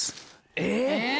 えっ。